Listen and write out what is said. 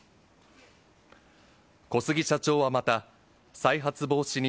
小杉社長はまた、再発防止に